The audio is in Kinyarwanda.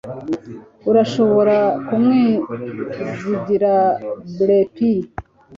Urashobora kumwizigira bluepie